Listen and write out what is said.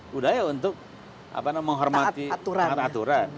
budaya untuk menghormati aturan